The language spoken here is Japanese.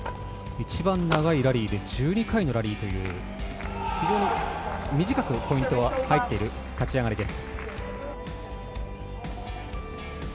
一番長いラリーで１２回のラリーという非常に短くポイントは入っている立ち上がりです。